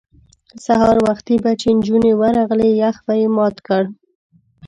سهار وختي به چې نجونې ورغلې یخ به یې مات کړ.